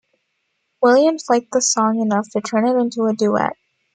Williams liked the song enough to turn it into a duet.